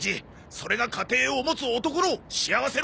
それが家庭を持つ男の幸せの味なんだよ！